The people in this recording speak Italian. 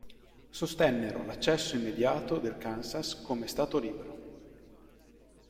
Sostennero l'accesso immediato del Kansas come Stato libero.